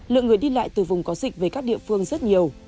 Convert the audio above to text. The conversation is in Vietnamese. lượng người đi lại từ vùng có dịch về các địa phương rất nhiều